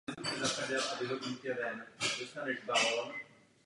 Prvním samostatným starostou byl Benjamin Schubert.